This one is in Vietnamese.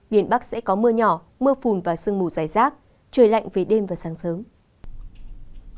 miền bắc sẽ có mưa nhỏ mưa phùn và sương mù dài rác trời lạnh về đêm và sáng sớm